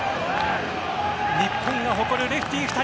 日本が誇るレフティ２人。